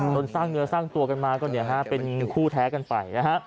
สร้างเนื้อสร้างตัวกันมาก็เป็นคู่แท้กันไปนะฮะ